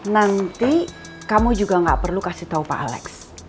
nanti kamu juga gak perlu kasih tahu pak alex